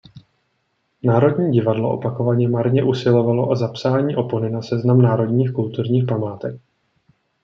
Národní divadlo opakovaně marně usilovalo o zapsání opony na seznam národních kulturních památek.